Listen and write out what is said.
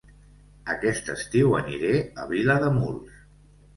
Aquest estiu aniré a Vilademuls